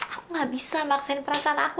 aku gak bisa maksain perasaan aku